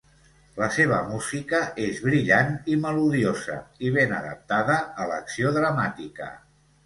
La seva música és brillant i melodiosa, i ben adaptada a l'acció dramàtica.